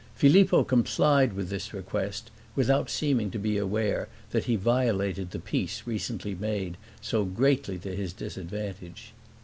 Filippo complied with this request, without seeming to be aware that he violated the peace recently made, so greatly to his disadvantage.